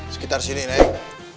sekitar sini neng